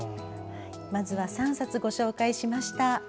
まずは３冊ご紹介しました。